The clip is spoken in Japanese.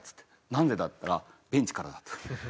「なんでだ？」って言ったら「ベンチからだ」って言って。